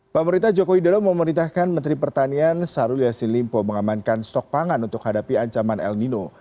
pak merita jokowi dolong memerintahkan menteri pertanian sarul yassin limpo mengamankan stok pangan untuk hadapi ancaman el nino